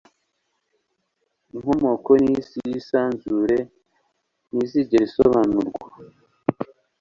inkomoko yisi nisanzure ntizigera isobanurwa